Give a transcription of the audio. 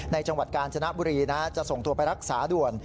จังหวัดกาญจนบุรีจะส่งตัวไปรักษาด่วน